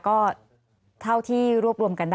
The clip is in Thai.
ก็เท่าที่รวบรวมกันได้